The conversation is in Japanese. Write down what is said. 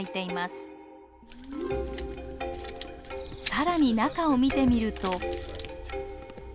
更に中を見てみると。